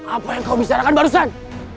apa yang kau bisa lakukan barusan